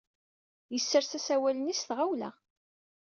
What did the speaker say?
Yessers asawal-nni s tɣawla.